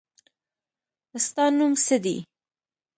ستا نوم څه دی.